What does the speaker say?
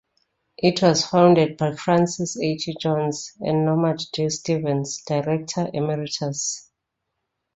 It was founded by Francis A. T. Johns and Norman D. Stevens, Director Emeritus.